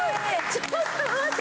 ちょっと待って！